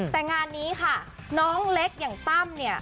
แต่งานนี้ค่ะน้องเล็กอย่างตั้มเนี่ย